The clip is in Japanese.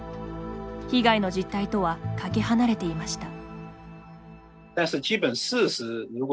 被害の実態とはかけ離れていました。